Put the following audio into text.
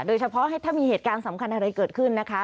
โดยเฉพาะถ้ามีเหตุการณ์สำคัญอะไรเกิดขึ้นนะคะ